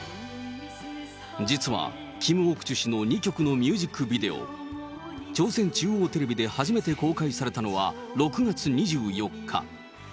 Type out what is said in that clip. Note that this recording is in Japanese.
実は、キム・オクチュ氏の２曲のミュージックビデオ、朝鮮中央テレビで初めて公開されたのは、６月２４日。